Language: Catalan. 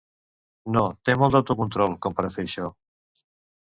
No, té molt d'autocontrol, com per a fer això.